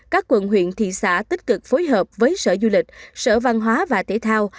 các quận huyện thị xã tích cực phối hợp với sở du lịch sở văn hóa và thể thao